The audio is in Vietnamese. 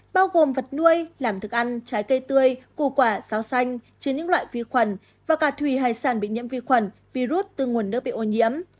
bao gồm vật nuôi làm thức ăn trái cây tươi củ quả sáo xanh trên những loại vi khuẩn và cả thủy hải sản bị nhiễm vi khuẩn virus từ nguồn nước bị ô nhiễm